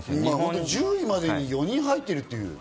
１０位までに４人入ってる。